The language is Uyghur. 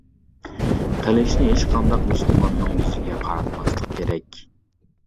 قىلىچنى ھېچقانداق مۇسۇلماننىڭ يۈزىگە قاراتماسلىقى كېرەك.